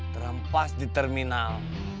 terhempas di terminal